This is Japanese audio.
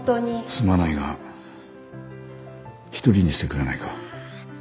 すまないが一人にしてくれないか。